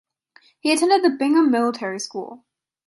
He attended the Bingham Military School.